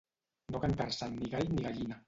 No cantar-se'n ni gall ni gallina.